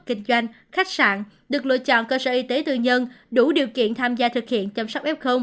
kinh doanh khách sạn được lựa chọn cơ sở y tế tư nhân đủ điều kiện tham gia thực hiện chăm sóc f